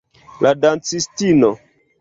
La dancistino.